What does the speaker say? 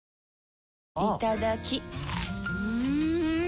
いただきっ！